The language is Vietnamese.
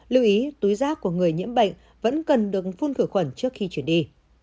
lưu ý túi rác của người nhiễm bệnh vẫn cần được phun khử khuẩn trước khi chuyển đi